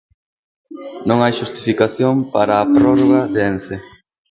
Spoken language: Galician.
Non hai xustificación para a prórroga de Ence.